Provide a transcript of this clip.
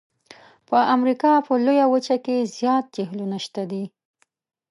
په امریکا په لویه وچه کې زیات جهیلونه شته دي.